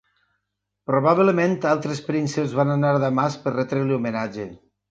Probablement altres prínceps van anar a Damasc per retre-li homenatge.